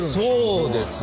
そうですね。